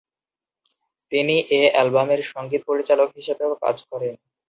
তিনি এ অ্যালবামের সঙ্গীত পরিচালক হিসেবেও কাজ করেন।